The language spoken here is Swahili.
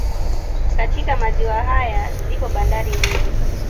Katika maziwa haya zipo bandari ndogo ndogo